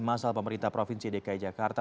masal pemerintah provinsi dki jakarta